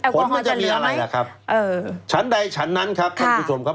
ผลมันจะมีอะไรล่ะครับฉันใดฉันนั้นครับท่านผู้ชมครับ